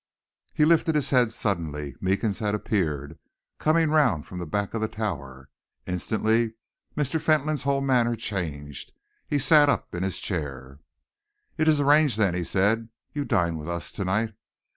He lifted his head suddenly. Meekins had appeared, coming round from the back of the Tower. Instantly Mr. Fentolin's whole manner changed. He sat up in his chair. "It is arranged, then," he said. "You dine with us to night.